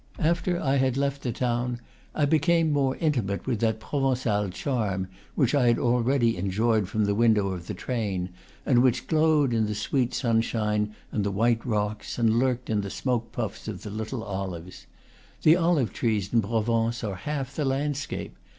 After I had left the town I became more intimate with that Provencal charm which I had already enjoyed from the window of the train, and which glowed in the sweet sunshine and the white rocks, and lurked in the smoke puffs of the little olives. The olive trees in Provence are half the landscape.